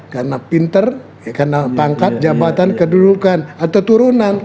karena pinter karena pangkat jabatan kedudukan atau turunan